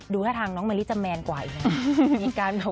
ท่าทางน้องมะลิจะแมนกว่าอีกนะ